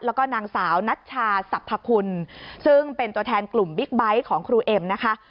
แล้วก็นางสาวนัชชาสรรพคุณซึ่งเป็นตัวแทนกลุ่มบิ๊กไบท์ของครูเอ็มนะคะ